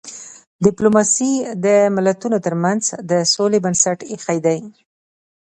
ډيپلوماسي د ملتونو ترمنځ د سولې بنسټ ایښی دی.